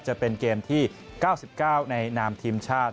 จะเป็นเกมที่๙๙ในนามทีมชาติ